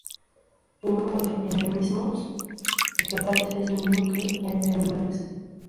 El número de endemismos vegetales es mayor que el de animales.